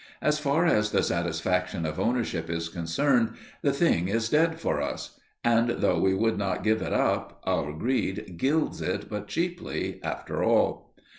As far as the satisfaction of ownership is concerned the thing is dead for us, and though we would not give it up, our greed gilds it but cheaply, after all.